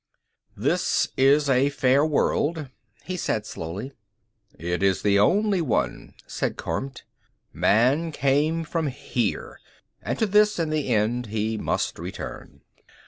"This is a fair world," he said slowly. "It is the only one," said Kormt. "Man came from here; and to this, in the end, he must return."